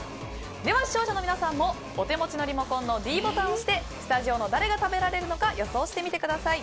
では視聴者の皆さんもお手持ちのリモコンのｄボタンを押してスタジオの誰が食べられるのか予想してみてください。